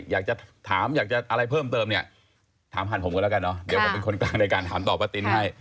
อยากจะถามอยากจะอะไรเพิ่มเติมเนี่ยถามผ่านผมก็แล้วกันเนอะเดี๋ยวผมเป็นคนกลางในการถามตอบป้าตินให้